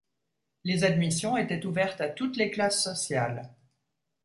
Les admissions étaient ouvertes à toutes les classes sociales.